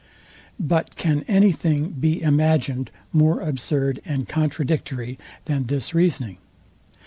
But can anything be imagined more absurd and contradictory than this reasoning?